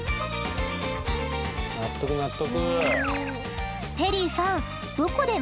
納得納得。